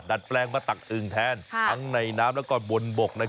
แปลงมาตักอึ่งแทนทั้งในน้ำและบนบก